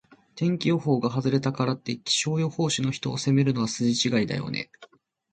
天気予報が外れたからって、気象予報士の人を責めるのは筋違いだよね。